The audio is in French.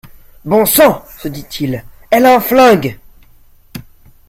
Bon sang, se dit-il, elle a un flingue.